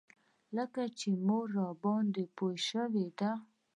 لکه چې مور راباندې پوه شوې ده.